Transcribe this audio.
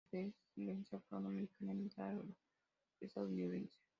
Es de ascendencia afroamericana y mitad euro-estadounidense.